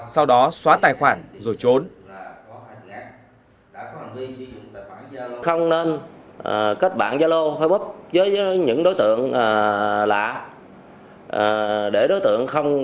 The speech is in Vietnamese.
sau đó xóa tài khoản rồi trốn